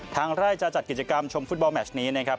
ทางไร่จะจัดกิจกรรมชมฟุตบอลแมชนี้นะครับ